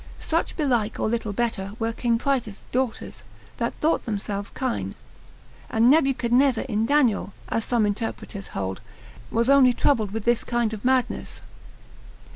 Such belike, or little better, were king Praetus' daughters, that thought themselves kine. And Nebuchadnezzar in Daniel, as some interpreters hold, was only troubled with this kind of madness.